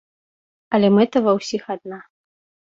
Але мэта ва ўсіх адна.